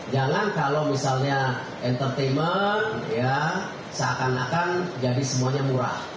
jangan kalau misalnya entertainment ya seakan akan jadi semuanya murah